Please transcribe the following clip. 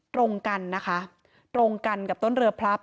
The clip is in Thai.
ตรงกันนะคะตรงกันกับต้นเรือพลับ